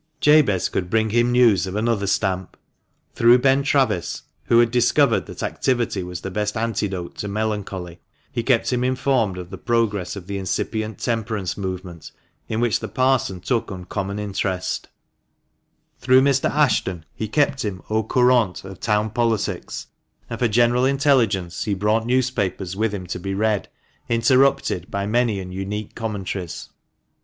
Jabez could bring him news of another stamp. Through Ben Travis (who had discovered that activity was the best antidote to melancholy), he kept him informed of the progress of the incipient temperance movement, in which the Parson took uncommon interest; through Mr. Ashton, he kept him an courant of town politics, and for general intelligence he brought newspapers with him to be read, interrupted by many and unique commentaries.